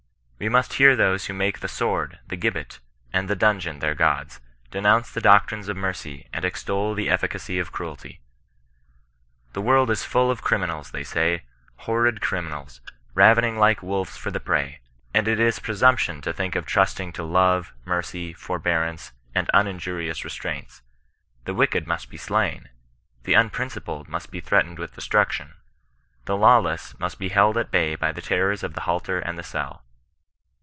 We must hear those who make the sword, the gibbet, and the dun geon their gods, denounce the doctrines of mercy, and extol the efficacy of cruelty. " The world is full of cri minals," say they, " horrid criminals, ravening like wolves for the prey, and it is presumption to think of trusting to love, mercy, forbearance, and uninjurious restraints. The wicked must be slain. The unprincipled must be threatened with destruction. The lawless must be held at bay by the terrors of the halter and the cell.